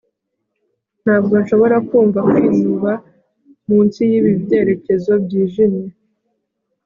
ntabwo nshobora kumva kwinuba munsi yibi byerekezo byijimye